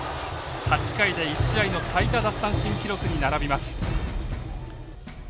８回で１試合の最多奪三振記録に並びます。